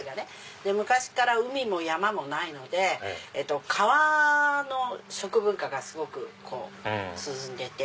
昔から海も山もないので川の食文化がすごく進んでて。